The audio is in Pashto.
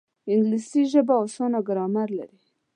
انګلیسي ژبه اسانه ګرامر لري